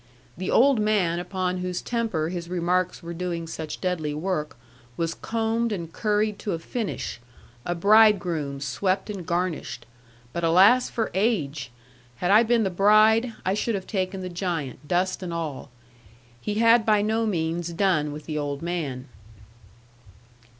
The old man upon whose temper his remarks were doing such deadly work was combed and curried to a finish, a bridegroom swept and garnished; but alas for age! Had I been the bride, I should have taken the giant, dust and all. He had by no means done with the old man.